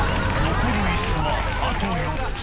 残るいすはあと４つ。